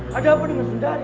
ada apa dengan sundari